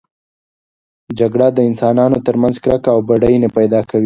جګړه د انسانانو ترمنځ کرکه او بدبیني پیدا کوي.